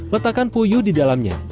letakkan puyuk di dalamnya